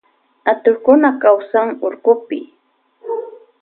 Atukkuna kawsan urkupi.